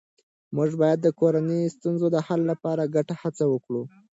موږ باید د کورنۍ د ستونزو د حل لپاره ګډه هڅه وکړو